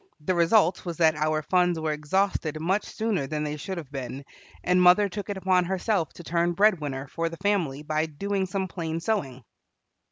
The result was that our funds were exhausted much sooner than they should have been, and mother took it upon herself to turn bread winner for the family by doing some plain sewing.